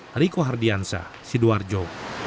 hariko hardiansyah sidoarjo